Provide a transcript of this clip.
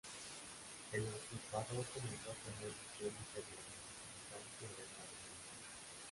El usurpador comenzó a tener visiones sobre su legitimidad y reconocimiento.